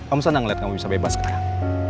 om senang ngeliat kamu bisa bebas kan